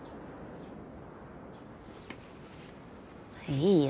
いいよ。